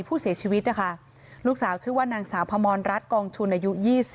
ผู้เสียชีวิตนะคะลูกสาวชื่อว่านางสาวพมรรัฐกองชุนอายุ๒๐